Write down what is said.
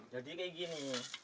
jadi kayak gini